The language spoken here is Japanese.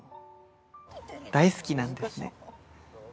大好きなんですね。